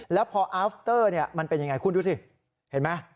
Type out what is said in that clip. แล้วพออาฟเตอร์มันเป็นยังไงคุณดูสิเห็นไหม